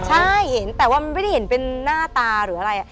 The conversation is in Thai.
ใช่เห็นแต่ว่ามันไม่ได้เห็นเป็นหน้าตาหรืออะไร